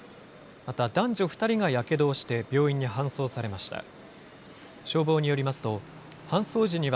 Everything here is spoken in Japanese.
また男女２人がやけどをして、病院に搬送されました。